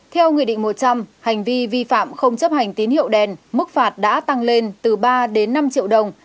theo nghị định một trăm linh hành vi vi phạm không chấp hành tín hiệu đèn mức phạt đã tăng lên từ ba đến năm triệu đồng